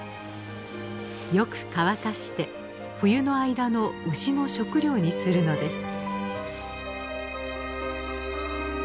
よく乾かして冬の間の牛の食料にするのです。